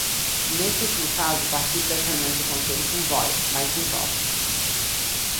Neste último caso, participe das reuniões do Conselho com voz, mas sem voto.